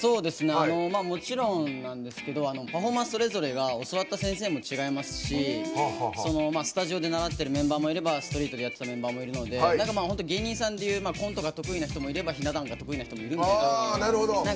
もちろんなんですけどパフォーマンスそれぞれが教わった先生も違いますしスタジオで習っているメンバーもいればストリートでやってたメンバーもいるので本当、芸人さんで言うコントが得意な人もいればひな壇が得意な人もいるみたいな。